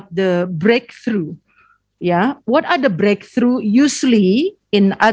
tapi saya ingin bertanya lebih banyak tentang kelebihan